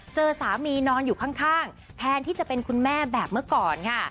เจอสามีนอนอยู่ข้างแทนที่จะเป็นคุณแม่แบบเมื่อก่อนค่ะ